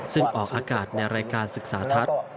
ซึ่งออกอากาศในรายการศึกษาทัศน์